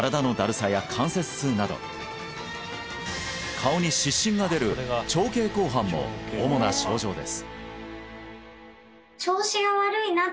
顔に湿疹が出る蝶形紅斑も主な症状です